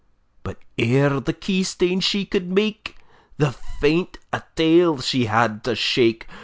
But ere the key stane she could make, The fient a tail she had to shake!